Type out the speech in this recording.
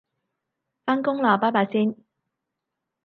返工喇拜拜先